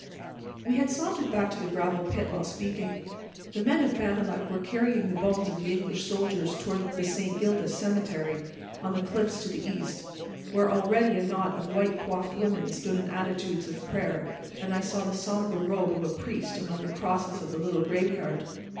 We had sauntered back to the gravel pit while speaking. The men of Bannalec were carrying the bones of the English soldiers toward the St. Gildas cemetery, on the cliffs to the east, where already a knot of white coiffed women stood in attitudes of prayer; and I saw the somber robe of a priest among the crosses of the little graveyard.